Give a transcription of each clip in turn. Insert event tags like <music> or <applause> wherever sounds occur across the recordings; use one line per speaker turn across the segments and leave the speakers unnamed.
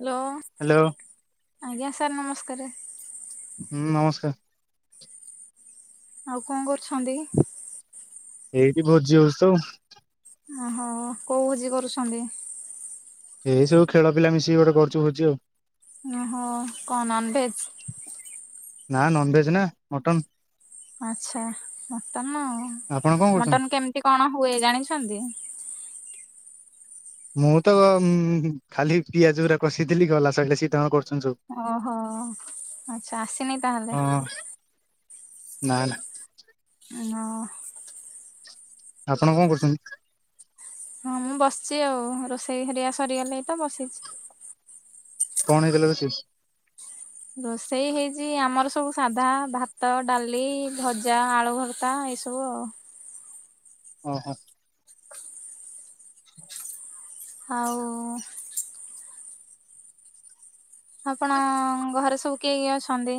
Hello.
Hello.
ଆଜ୍ଞା sir ନମସ୍କାରେ।
ହୁଁ, ନମସ୍କାର।
ଆଉ କଣ କରୁଛନ୍ତି?
ଏଇଠି ଭୋଜି ହୋଉଛି ତ ଆଉ।
ଓହୋ କୋଉ ଭୋଜି କରୁଛନ୍ତି?
ଏଇ ସବୁ ଖେଳ ପିଲା ମିଶିକି ଗୋଟେ କରୁଚୁ ଭୋଜି ଆଉ।
ଓହୋ କଣ ନନ୍ ଭେଜ୍‌।
ନା ନନ୍‌ଭେଜ୍‌ ନା ମଟନ।
ଆଚ୍ଛା ମଟନ। ଆଉ
ଆପଣ କଣ କରୁଛନ୍ତି?
ମଟନ କେମିତି କଣ ହୁଏ ଜାଣିଛନ୍ତି?
ମୁଁ ତ ଉଁ ଖାଲି ପିଆଜ ପୁରା କଷିଥିଲି ଗଲା। ସଇଲା ସିତାଙ୍କ କରୁଚନ୍ତି ସୁ
ଓହୋ ଆଛା ଆସିନି ତାହେଲେ।
ହଁ ନା ନା।
ନା।
ଆପଣ କଣ କରୁଛନ୍ତି?
ହଁ ମୁଁ ବସିଛି ଆଉ ରୋଷେଇ ହେରିଆ ସରିଗଲେ ତ ବସିଛି।
କଣ ହେଇଥିଲା ରୋଷେଇ?
ରୋଷେଇ ହେଇଛି ଆମର ସବୁ ସାଧା ଭାତ ଡାଲି ଭଜା ଆଳୁ ଭର୍ତା ଏଇ ସବୁ। କୂଅ।
ଓହୋ।
ଆଉ ଆପଣ ଘରେ ସବୁ କିଏ କିଏ ଅଛନ୍ତି?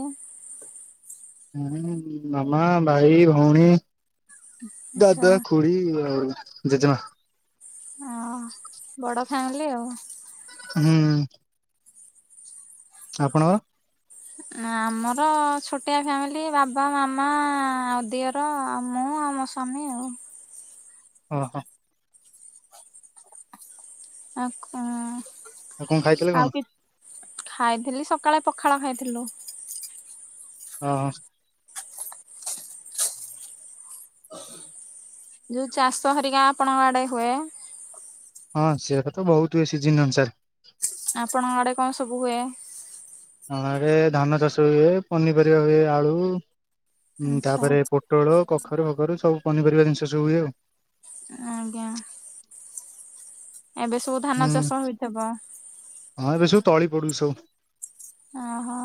ହୁଁ ମାମା ଭାଇ ଭଉଣୀ। ଦାଦା
ଆଚ୍ଛା
ଖୁଡ଼ି ଆଉ ଜେଜେମା।
ହଁ ବଡ ଫ୍ୟାମିଲି ଆଉ।
ହୁଁ। ଆପଣଙ୍କ
ଆମର ଛୋଟିଆ ଫ୍ୟାମିଲି ବାବା ମାମା ଆଉ ଦିଅର ଆଉ ମୁଁ ଆଉ ସ୍ୱାମୀ ଆଉ।
ଓହୋ।
ଆ କ
ଆଉ କଣ ଖାଇଥିଲେ କଣ
ଆଉ କି ଖାଇଥିଲି ସକାଳେ ପଖାଳ ଖାଇଥିଲୁ।
ଓହୋ।
ଯୋଉ ଚାଷ ହେରିକା ଆପଣଙ୍କ ଆଡେ ହୁଏ।
ହଁ ସେଇଟା ତ ବହୁତ ହୁଏ ସିଜିନ ଅନୁସାରେ।
ଆପଣଙ୍କ ଆଡେ କଣ ସବୁ ହୁଏ?
ହଁ ଆରେ ଧାନ ଚାଷ ହୁଏ ପନିପରିବା ହୁଏ ଆଳୁ
ଆଚ୍ଛା
ତାପରେ ପୋ ଟୋଳ କଖାରୁ ଫଖାରୁ ସବୁ ପନିପରିବା ଜିନିଷ ସବୁ ହୁଏ ଆଉ।
ଆଜ୍ଞା। ଏବେ ସବୁ
ହୁଁ
ଧାନ ଚାଷ ହୋଇଥିବ?
ହଁ ଏବେ ସବୁ ତଳି ପଡୁଚି ସବୁ।
ଓହୋ।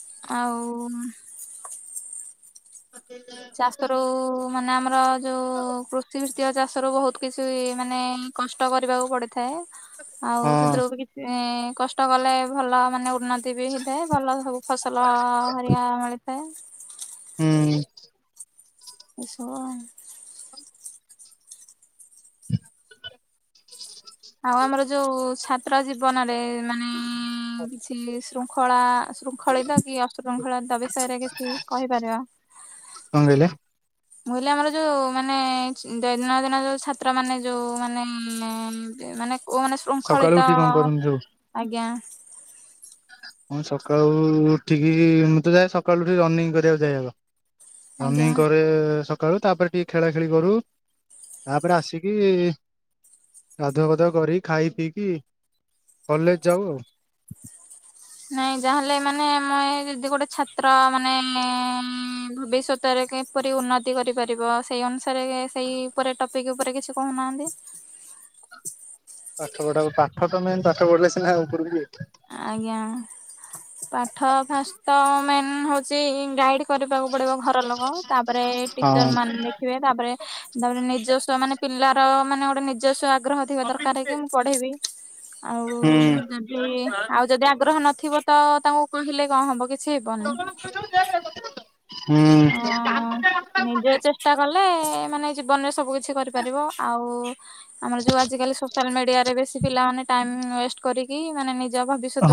ଆଉ
ଆ <unintelligible>
ଚାଷରୁ ମାନେ ଆମର ଯୋଉ କୃଷି ଭିତ୍ତିକ ଚାଷ ରୁ ବହୁତ କିଛି ମାନେ କଷ୍ଟ କରିବାକୁ ପଡିଥାଏ ଆଉ
ହଁ
ସେଥିରୁବି ଏଁ କଷ୍ଟ କଲେ ଭଲ ମାନେ ଉନ୍ନତି ବି ହେଇଥାଏ ଭଲ ହଉ ଫସଲ ହେରିକା ମିଳିଥାଏ।
ହୁଁ।
ଏସବୁ ଆଉ। ଆଉ ଆମର ଯୋଉ ଛାତ୍ର ଜୀବନରେ ମାନେ ଆଉ କିଛି ଶୃଙ୍ଖଳା ଶୃଙ୍ଖଳିତ କି ଅଶୃଙ୍ଖଳିତ ବିଷୟରେ କିଛି କହିପାରିବ?
କଣ କହିଲେ?
ମୁ କହିଲି ଆମର ଯୋଉ ମାନେ ଦୈନନ୍ଦିନ ଦିନ ଯୋଉ ଛାତ୍ର ମାନେ ଯୋଉ ମାନେ ମାନେ କୋ ମାନେ
ସକାଳୁ
ଶୃଙ୍ଖଳିତ
ଉଠିକି କଣ କରନ୍ତି ସବୁ
ଆଜ୍ଞା।
ମୁଁ ସକାଳୁ ଉଠିକି ମୁଁ ତ ଯାଏ ସକାଳୁ ଉଠିକି ରନିଂ କରିବାକୁ ଯାଏ ଆଗ।
ଆଜ୍ଞା।
ରନିଂ କରେ ସ କରୁ ତାପରେ ଟିକେ ଖେଳା ଖେଳି କରୁ ତାପରେ ଆସିକି ଗାଧୁଆ ଗଧୁଆ କରିକି ଖାଇ ପିଇକି କଲେଜ ଯାଉ ଆଉ।
ନାଇଁ ଯାହାହେଲେ ମାନେ ମୁଇ ଯଦି ଗୋଟେ ଛାତ୍ର ମାନେ ଭବିଷ୍ୟତ ରେ କିପରି ଉନ୍ନତି କରିପାରିବ ସେଇ ଅନୁସାରେ ସେଇ ଉପରେ ଟପିକ ଉପରେ କିଛି କହୁନାହାନ୍ତି।
ପାଠ ପଢା ପାଠ ତ ମେନ୍ ପାଠ ପଢିଲେ ସିନା ଉପରକି ଯିବେ।
ଆଜ୍ଞା ପାଠ ଫାଷ୍ଟ ତ ମେନ୍ ହେଉଛି ଗାଇଡ଼୍ କରିବାକୁ ପଡିବ ଘର ଲୋକ ତାପରେ ଟିଚର
ହଁ
ମାନେ ଦେଖିବେ ତାପରେ ତାପରେ ନିଜସ୍ୱ ମାନେ ପିଲାର ମାନେ ଗୋଟେ ନିଜସ୍ଵ ଆଗ୍ରହ ଥିବା ଦରକାର କି ମୁଁ ପଢ଼େଇବି ଆଉ
ହୁଁ
ଯଦି ଆଉ ଯଦି ଆଗ୍ରହ ନଥିବ ତ ତାଙ୍କୁ କହିଲେ କଣ ହବ କିଛି ହେବନି।
ହୁଁ।
ଅଁ ନିଜେ ଚେଷ୍ଟା କଲେ ମାନେ ଜୀବନରେ ସବୁ କିଛି କରିପାରିବ ଆଉ ଆମର ଯୋଉ ଆଜିକାଲି ସୋସିଆଲ ମିଡିଆରେ ବେଶୀ ପିଲାମାନେ ଟାଇମ ୱେଷ୍ଟ କରିକି ମାନେ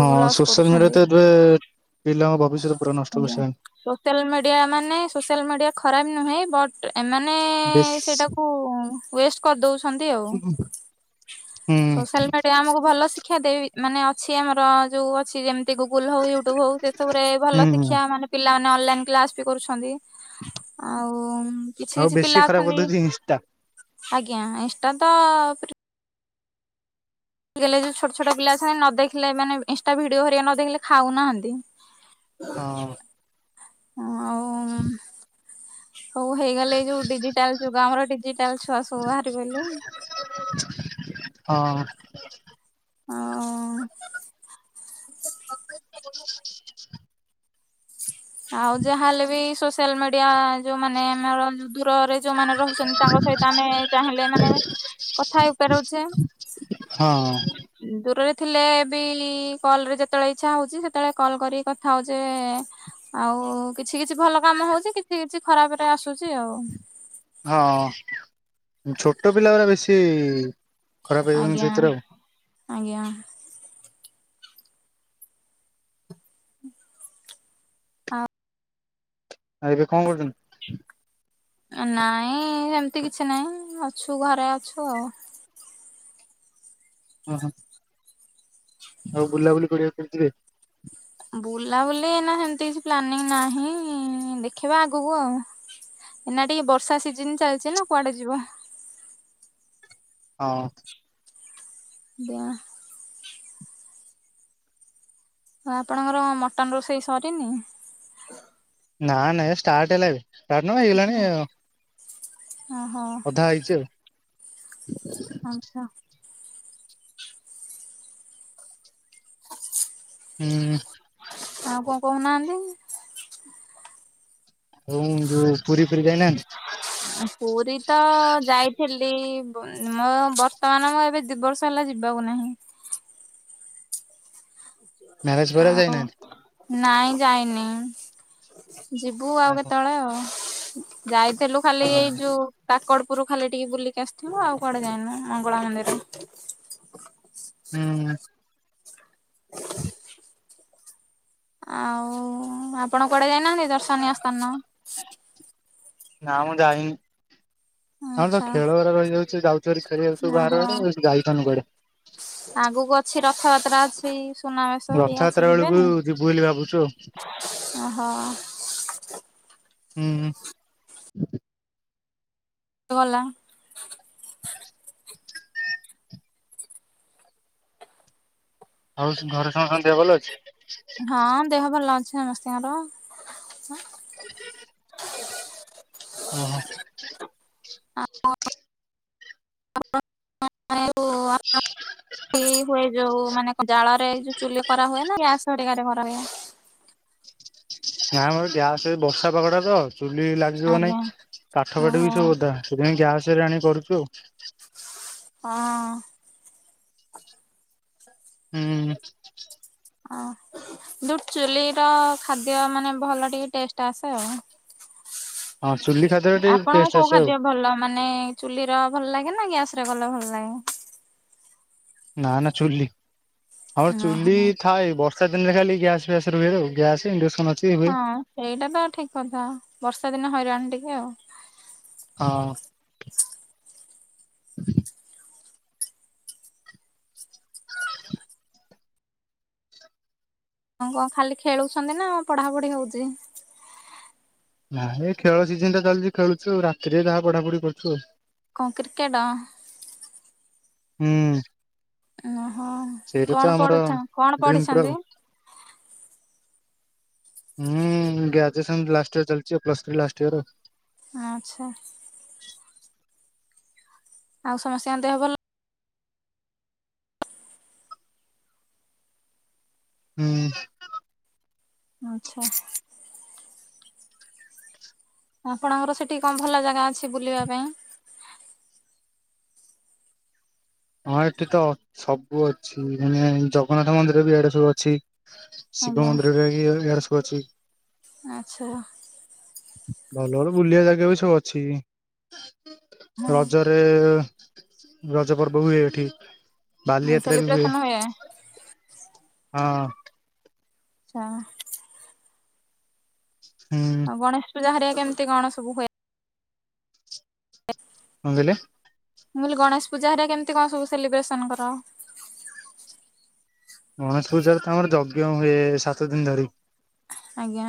ହଁ
ଲସ୍
ସୋସିଆଲ ମିଡ଼ିଆ
କରୁଛନ୍ତି।
ତ ଏବେ ପିଲାଙ୍କ ଭବିଷ୍ୟତ ପୁରା ନଷ୍ଟ
ଆଜ୍ଞା।
କରିସାରିଲାନଣି।
ସୋସିଆଲ ମିଡିଆ ମାନେ ସୋସିଆଲ ମିଡିଆ ଖରାପ ନୁହେଁ ବଟ୍ ଏମାନେ
ବେଶୀ
ସେଇଟାକୁ ୱେଷ୍ଟ କରିଦଉଛନ୍ତି ଆଉ।
ହୁଁ
ସୋସିଆଲ ମିଡିଆ ଆମକୁ ଭଲ ଶିକ୍ଷା ଦେବି ମାନେ ଅଛି ଆମର ଯୋଉ ଅଛି ଯେମିତି ଗୁଗୁଲ୍ ହଉ ୟୁଟ୍ୟୁବ ହଉ ସବୁରେ
ହୁଁ
ଭଲ
ହୁଁ
ଶିକ୍ଷା ମାନେ ପିଲାମାନେ ଅନଲାଇନ କ୍ଲାସ ବି କରୁଛନ୍ତି ଆଉ। କିଛି
ଆଉ
କିଛି
ବେଶୀ
ପିଲା
ଖରାପ
ଅଛନ୍ତି
କରିଦଉଛି ଇନଷ୍ଟା
ଆଜ୍ଞା ଇଁଷ୍ଟା ତ ଯୋଉ ଛୋଟ ଛୋଟ ପିଲା ଅଛନ୍ତି ନ ଦେଖିଲେ ମାନେ ଇଁଷ୍ଟା ଭିଡିଓ ହରିକା ନ ଦେଖିଲେ ଖାଉନାହାନ୍ତି।
ହଁ।
ହଁ ଆଉ ହଉ ହେଇଗଲେ ଏଇ ଯୋଉ ଡିଜିଟାଲ ଯୁଗ ଆମର ଡିଜିଟାଲ ଛୁଆ ସବୁ ବାହାରିବ ବୋଲି
ହଁ।
ଆଉ।
<inaudible>
ଆଉ ଯାହାହେଲେ ବି ସୋସିଆଲ ମିଡିଆ ଯୋଉ ମାନେ ଆମର ଦୂରରେ ଯୋଉମାନେ ରହୁଛନ୍ତି ତାଙ୍କ ସହିତ ଆମେ ଚାହିଁଲେ ମାନେ କଥା ହେଇ ପାରୁଛେ।
ହଁ।
ଦୂରରେ ଥିଲେ ବି କଲ ରେ ଯେତେବେଳେ ଇଚ୍ଛା ହଉଛି ସେତେବେଳେ କଲ୍ କରି କଥା ହଉଚି ଆଉ କିଛି କିଛି ଭଲ କାମ ହଉଛି କିଛି କିଛି ଖରାପ ରେ ଆସୁଛି ଆଉ।
ହଁ ଛୋଟ ପିଲା ଉରା ବେଶୀ ଖରାପ ହେଇଯାଉଛନ୍ତି
ଆଜ୍ଞା
ସେଥିରେ ଆଉ
ଆଜ୍ଞା।
ଆଉ ଏବେ କଁ କରୁଛନ୍ତି।
ନାଇଁ ହେମ୍ତି କିଛି ନାଇଁ ଅଛୁ ଘରେ ଅଛୁ ଆଉ।
ହୁଁ। ଆଉ ବୁଲାବୁଲି କରିବାକୁ ଯାଇଥିବେ।
ବୁଲାବୁଲି ନା ସେମତି କିଛି ପ୍ଲାନିଂ ନାହିଁ ଦେଖିବା ଆଗକୁ ଆଉ। ଏଇନା ଟିକେ ବର୍ଷା ସିଜନ ଚାଲିଛି ନା କୁଆଡେ ଯିବ।
ହଁ।
ବା ଆପଣଙ୍କର ମଟନ୍ ରୋଷେଇ ସରିନି।
ନା ନାଇଁ ଷ୍ଟାର୍ଟ ହେଲା ଏବେ। କର୍ଣ୍ଣମା ହେଇଗଲାଣି
ଓହୋ
ଅଧା ହେଇଛି ଆଉ।
ଆଛା।
ହୁଁ।
ଆଉ କଁ କହୁନାହାନ୍ତି।
ହ ଯୋଉ ପୁରୀ ଫୁରୀ ଯାଇନାହାନ୍ତି।
ପୁରୀ ତ ଯାଇଥିଲି ମୋ ବର୍ତ୍ତମାନ ମୁଁ ଏବେ ଦି ବର୍ଷ ହେଲା ଯିବାକୁ ନାହିଁ।
ମ୍ୟାରେଜ ପରେ
ଆଉ
ଯାଇନାହାନ୍ତି?
ନାଇଁ ଯାଇନି। ଯିବୁ ଆଉ
ଓହୋ
କେତେବେଳେ ଆଉ ଯାଇଥିଲୁ ଖାଲି ଏଇ
ହଁ
ଯୋଉ କାକଡ଼ପୁର ଖାଲି ଟିକେ ବୁଲିକି ଆସିଥିବୁ ଆଉ କୁଆଡେ ଯାଇନୁ ମଙ୍ଗଳା ମନ୍ଦିର।
ହୁଁ। ହଁ
ଆଉ ଆପଣ କୁଆଡେ ଯାଇନାହାନ୍ତି ଦର୍ଶନୀୟ ସ୍ଥାନ।
ନା ମୁ ଯାଇନି। ଆମେ ତ
ଆଚ୍ଛା
ଖେଳ ଉରା ରହିଯାଉଛି ଯାଉଛଆରି ଖେଳି ଯାଉଛୁ ବାହାର
ଓହୋ
ଆଡେ ଯାଇପାରନୁ କୁଆଡେ।
ଆଗକୁ ଅଛି ରଥଯାତ୍ରା ଅଛି। ସୁନାବେଶ ହେଟି ଆସି
ରଥଯାତ୍ରା ବେଳକୁ
ଯିବେନି
ଯିବୁ ବୋଲି ଭାବୁଛୁ ଆଉ
ଓହୋ।
ହୁଁ।
ତୋ ଭଲା।
ଆଉ ଘରେ ସମେ ସମସ୍ତେ ଦେହ ଭଲ ଅଛି।
ହଁ ଦେହ ଭଲ ଅଛି ସମସ୍ତିଙ୍କର।
ଓ ହ।
ଆଉ ଆ କି ହୁଏ ଯୋଉ ମାନେ ଜାଳରେ ଯୋଉ ଚୁଲି କରା ହୁଏ ନା ଗ୍ୟାସ ଗୁଡିକରେ କରା ହୁଏ।
ନାଇଁ ମ ଗ୍ୟାସ ବର୍ଷା ପାଗଡା ତ ଚୁଲି ଲାଗିବ
ଆଜ୍ଞା
ନାହିଁ ପାଠ ପାଠ ବି
ଓହୋ
ସବୁ ଓଦା। ସେଇଥିପାଇଁ ଗ୍ୟାସ ରେ ଆଣି କରଛୁ ଆଉ।
ହଁ।
ହୁଁ।
ଓ ଯୋଉ ଚୁଲି ର ଖାଦ୍ୟ ମାନେ ଭଲ ଟିକେ ଟେଷ୍ଟ ଆସେ ଆଉ।
ହଁ ଚୁଲି ଖାଦ୍ୟରେ ଟିକେ
ଆପଣଙ୍କ
ଟେଷ୍ଟ
କୋଉ
ଆସେ ଆଉ
ଖାଦ୍ୟ ଭଲ ମାନେ ଚୁଲି ର ଭଲ ଲାଗେ ନା ଗ୍ୟାସ ରେ ଭଲ ଭଲ ଲାଗେ।
ନା ନା ଚୁଲି ଆମର ଚୁଲି
ଓହୋ।
ଥାଏ ବର୍ଷ ବର୍ଷା ଦିନରେ ଖାଲି ଗ୍ୟାସ୍ ଫ୍ୟାସ୍ ରୁହେ ଗ୍ୟାସ୍ ଇଣ୍ଡକ୍ସନ ଅଛି ହୁଏ।
ହଁ ସେଇଟା ତ ଠିକ୍ କଥା ବର୍ଷା ଦିନ ହଇରାଣ ଟିକେ ଆଉ।
ହଁ।
ହଁ କଣ ଖାଲି ଖେଳୁଛନ୍ତି ନା ପଢାପଢି ହଉଛି।
ନାଇଁ ଏଇ ଖେଳ ସିଜନ ଟା ଚାଲିଛି ଖେଳୁଚୁ ରାତିରେ ଯାହା ପଢା ପଢି କରୁଚୁ ଆଉ।
କଂ କ୍ରିକେଟ।
ହୁଁ।
ଓହୋ
ସେଇଟା ତ
କଣ
ଆମର
ପଢୁଛ କଣ
ଡ୍ରିମ୍ ପୁରା ଆଉ।
ପଢିଚନ୍ତି।
ଉୁଁ ଗ୍ରାଜୁଏସନ ଲାଷ୍ଟ ଇୟର ଚାଲିଛି ପ୍ଲସ୍‌ ଥ୍ରୀ ଲାଷ୍ଟ ଇୟର।
ଆଛା। ଆଉ ସମସିଆ ଦେହ ଭଲ।
ହୁଁ।
ଆଛା। ଆପଣଙ୍କର ସେଠି କଣ ଭଲ ଜାଗା ଅଛି ବୁଲିବା ପାଇଁ।
ହଁ ଏଠି ତ ସବୁ ଅଛି ମାନେ ଜଗନ୍ନାଥ ମନ୍ଦିର ବି ଇଆଡେ ସବୁ ଅଛି। ଶିବ
ଆଜ୍ଞା
ମନ୍ଦିର ରେକି ଇଆଡେ ସବୁ ଅଛି।
ଆଚ୍ଛା।
ଭଲ ଭଲ ବୁଲିବା ଜାଗା ବି ସବୁ ଅଛି
ହଁ
ରଜ ରେ ରଜ ପର୍ବ ହୁଏ ଏଠି। ବାଲିଯାତ୍ରା ବି ହୁଏ ହଁ।
ଚାଆ।
ହୁଁ।
ଆଉ ଗଣେଶ ପୂଜା ହେରିକା କେମିତି କଣ ସବୁ ହୁଏ।
କଣ କହିଲେ।
ମୁଁ ଲି ଗଣେଶ ପୂଜା ହେରା କେମିତି କଣ ସବୁ ସେଲିବ୍ରେସନ କର।
ଗଣେଶ ପୂଜା ତ ଆମର ଯଜ୍ଞ ହୁଏ ସାତ ଦିନ ଧରି।
ଆଜ୍ଞା।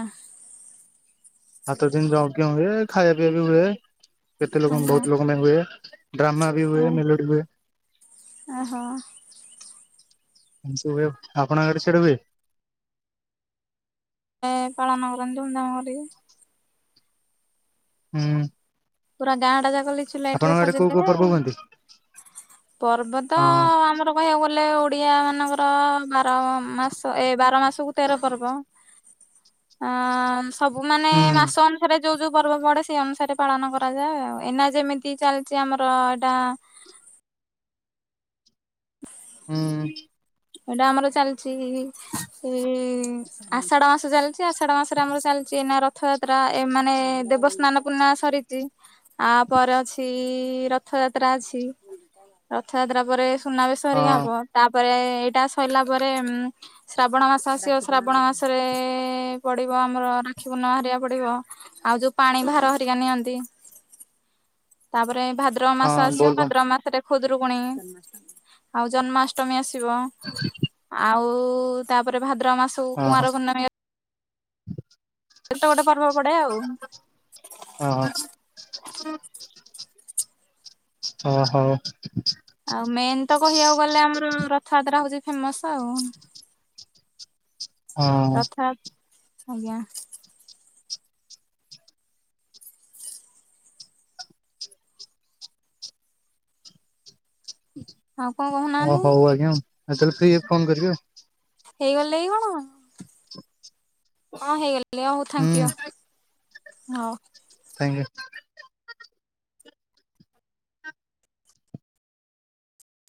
ସାତ ଦିନ ଯଜ୍ଞ ହୁଏ ଖାଇବା ପିଇବା ବି ହୁଏ କେତେ ଲୋକ
ଆଜ୍ଞା
ବହୁତ ଲୋକ ପାଇଁ ହୁଏ। ଡ୍ରାମା ବି ହୁଏ
ହଁ
ମେଲୋଡି ହୁଏ।
ଓହୋ
ଏମିତି ସବୁ ହୁଏ ଆଉ ଆପଣଙ୍କ ଆଡେ ସିଆଡେ ହୁଏ।
ଏ ପଣା ନକ୍ରାନ୍ତି ଧୁମ୍ ଧାମ କରିକି।
ହୁଁ।
ପୁରା ଗାଁ ଟା ଯାକ ଲି ଲିଚୁ ଲାଇଟ୍ ରେ
ଆପଣଙ୍କ ଆଡେ
ସଜେଇ
କୋଉ କୋଉ
ଦେବେ
ପର୍ବ
ଆଉ
ହୁଅନ୍ତି?
ପର୍ବତ
ହଁ
ଆମର କହିବାକୁ ଗଲେ ଓଡିଆ ମାନଙ୍କର ବାର ମାସ ଏ ବାର ମାସକୁ ତେର ପର୍ବ। ଆଁ ସ ସବୁମାନେ
ହୁଁ
ମାସ ଅନୁସାରେ ଯୋଉ ଯୋଉ ପର୍ବ ପଡ଼େ ସେଇ ଅନୁସାରେ ପାଳନ କର କରାଯାଏ ଆଉ ଏନା ଯେମିତି ଚାଲିଛି ଆମର ଏଟା <inaudible>
ହୁଁ।
ଏଇଟା ଆମର ଚାଲିଛି ଇ ଆଷାଢ ମାସ ଚାଲିଛି ଆଷାଢ ମାସରେ ଆମର ଚାଲିଛି ଏ ନା ରଥଯାତ୍ରା ଏ ମାନେ ଦେବସ୍ନାନ ପୁନା ସରିଛି ଆପରେ ଅଛି ରଥ ଯାତ୍ରା ଅଛି। ରଥଯାତ୍ରା ପରେ ସୁନାବେଶ ହେରିକି ହବ
ହଁ
ତାପରେ ଏଇଟା ସରିଲା ପରେ ଉଁ ଶ୍ରାବଣ ମାସ ଆସିବ ଶ୍ରାବଣ ମାସରେ ପଡିବ ଆମର ରାକ୍ଷୀ ପୂର୍ଣ୍ଣିମା ହେରିକା ପଡିବ। ଆଉ ଯୋଉ ପାଣି ଭାର ହରିକା ନିଅନ୍ତି ତାପରେ ଏ ଭାଦ୍ର ଭାଦ୍ରବ
ହଁ
ମାସ ଆସିବ
ବୋଲବମ୍
ଭାଦ୍ରବ ମାସରେ ଖୁଦରୁକୁୁଣୀ ଜନ୍ମାଷ୍ଟମୀ ଆଉ ଜନ୍ମାଷ୍ଟମୀ ଆସିବ।
<inaudible>
ଆଉ ତାପରେ ଭାଦ୍ରବ ମାସକୁ
ହଁ।
କୁଆଁର ପୁର୍ଣ୍ଣମି। ଗୋଟେ ଗୋଟେ ପର୍ବ ପଡେ ଆଉ।
ଓହୋ। ଅ ହଉ।
ଆଉ ମେନ୍ ତ କହିବାକୁ ଗଲେ ଆମର ରଥଯାତ୍ରା ହଉଛି ଫେମସ ଆଉ।
ହଁ
ରଥଯାତ ଆଜ୍ଞା। ଆଉ କଣ
ଅ
କହୁନାହାନ୍ତି
ହଉ ଆଜ୍ଞା ଆଉ ଏତେ ଫ୍ରି ହେଇ ଫୋନ୍ କରିବେ ଆଉ।
‌ହେଇଗଲେ କି କଣ? ହଁ ହେଇଗଲେ ହଉ
ହୁଁ
ଥଙ୍କୟୁ ହଉ।
Thank you.